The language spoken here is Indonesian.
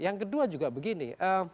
yang kedua juga begini